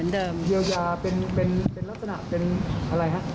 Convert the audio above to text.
เทียวยาเป็นลักษณะเป็นอะไรครับ